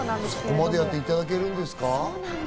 そこまでやっていただけるんですか？